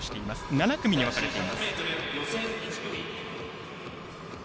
７組に分かれています。